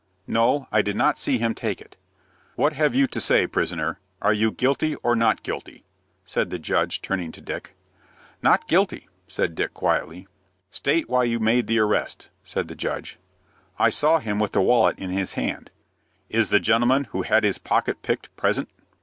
"No; I did not see him take it." "What have you to say, prisoner? Are you guilty or not guilty?" said the judge, turning to Dick. "Not guilty," said Dick, quietly. "State why you made the arrest," said the judge. "I saw him with the wallet in his hand." "Is the gentleman who had his pocket picked, present?"